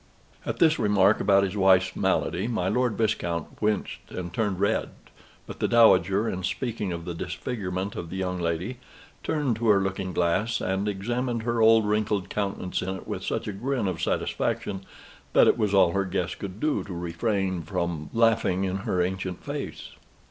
At this remark about his wife's malady, my Lord Viscount winced and turned red; but the Dowager, in speaking of the disfigurement of the young lady, turned to her looking glass and examined her old wrinkled countenance in it with such a grin of satisfaction, that it was all her guests could do to refrain from laughing in her ancient face.